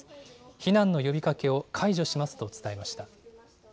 避難の呼びかけを解除しますと伝えました。